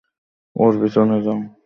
ওর পেছনে যাও।